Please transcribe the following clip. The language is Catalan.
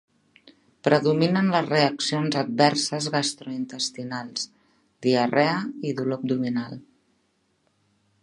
Predominen les reaccions adverses gastrointestinals: diarrea, dolor abdominal.